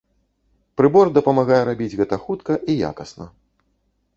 Прыбор дапамагае рабіць гэта хутка і якасна.